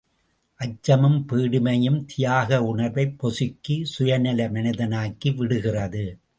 அச்சமும் பேடிமையும் தியாக உணர்வைப் பொசுக்கி, சுயநல மனிதனாக்கி விடுகிறது.